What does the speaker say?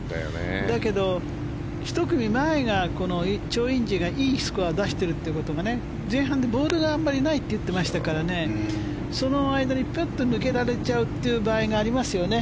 だけど１組前がチョン・インジがいいスコアを出しているということが前半でボードがあまりないって言っていましたからその間にヒュッと抜けられちゃうという場合がありますよね。